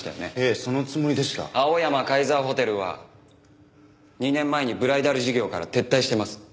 カイザーホテルは２年前にブライダル事業から撤退してます。